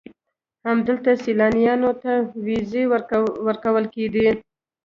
همدلته سیلانیانو ته ویزې ورکول کېدې.